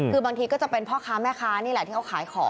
คือบางทีก็จะเป็นพ่อค้าแม่ค้านี่แหละที่เขาขายของ